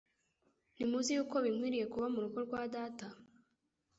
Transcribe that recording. Ntimuzi yuko binkwinye kuba mu rugo rwa Data?»